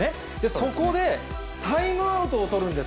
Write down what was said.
そこでタイムアウトを取るんです。